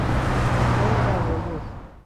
اهدای جوایز